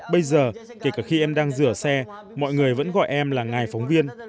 bây giờ kể cả khi em đang rửa xe mọi người vẫn gọi em là ngài phóng viên